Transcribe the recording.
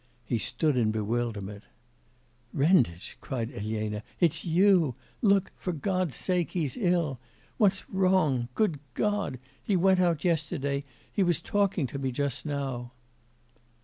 He stood still in bewilderment. 'Renditch!' cried Elena, 'it's you! Look, for God's sake, he's ill! What's wrong? Good God! He went out yesterday, he was talking to me just now.